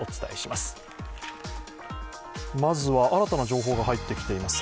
まずは、新たな情報が入ってきています。